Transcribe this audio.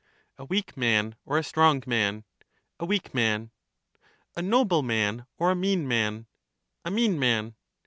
A weak man or a strong man? A weak man. A noble man or a mean man? A mean man.